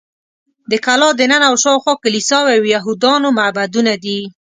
د کلا دننه او شاوخوا کلیساوې او یهودانو معبدونه دي.